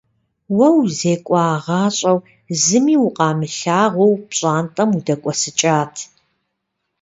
Уэ узекӀуагъащӀэу, зыми укъамылагъуу, пщӀантӀэм удэкӏуэсыкӏат.